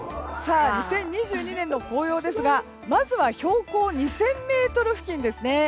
２０２２年の紅葉ですがまずは標高２０００ｍ付近です。